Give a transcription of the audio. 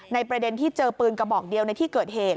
ประเด็นที่เจอปืนกระบอกเดียวในที่เกิดเหตุ